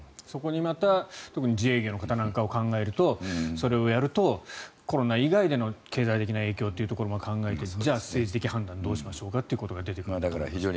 そこにまた特に自営業の方なんかを考えるとそれをやると、コロナ以外での経済的な影響というところも考えて、じゃあ政治的判断をどうしましょうということが出てくるということですね。